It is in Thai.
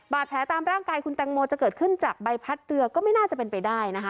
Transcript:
ตามร่างกายคุณแตงโมจะเกิดขึ้นจากใบพัดเรือก็ไม่น่าจะเป็นไปได้นะคะ